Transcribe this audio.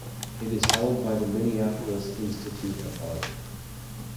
It is held by the Minneapolis Institute of Art.